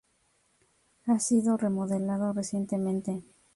Ha sido remodelado recientemente.